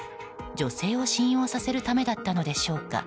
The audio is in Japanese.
女性を信用させるためだったのでしょうか。